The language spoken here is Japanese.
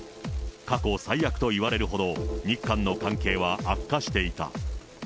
過去最悪といわれるほど、日韓の関係は悪化していた。